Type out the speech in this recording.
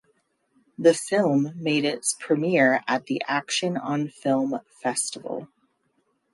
The film made its premier at the Action On Film festival.